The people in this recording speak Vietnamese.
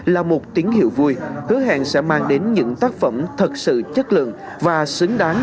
là một tiếng hiệu vui hứa hẹn sẽ mang đến những tác phẩm thật sự chất lượng và xứng đáng